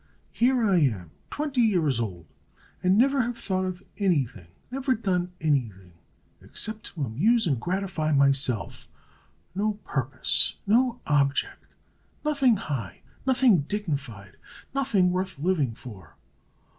Here am I, twenty years old, and never have thought of any thing, never done any thing, except to amuse and gratify myself; no purpose, no object; nothing high, nothing dignified, nothing worth living for!